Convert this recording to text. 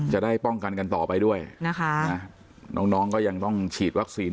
จะได้ป้องกันกันต่อไปด้วยนะคะน้องน้องก็ยังต้องฉีดวัคซีน